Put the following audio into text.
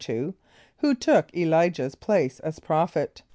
= Who took [+E] l[=i]´jah's place as prophet?